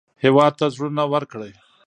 هېواد ته زړونه ورکړئ